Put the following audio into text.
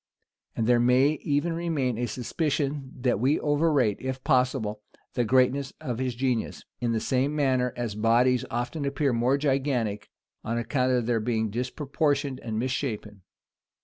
[*] And there may even remain a suspicion, that we overrate, if possible, the greatness of his genius; in the same manner as bodies often appear more gigantic, on account of their being disproportioned and misshapen.